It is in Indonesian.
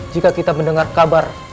jika kita mendengar kabar